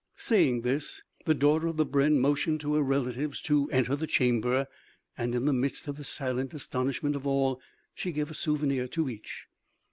Saying this, the daughter of the brenn motioned to her relatives to enter the chamber, and in the midst of the silent astonishment of all she gave a souvenir to each.